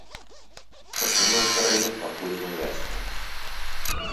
Прычына здарэння пакуль няясная.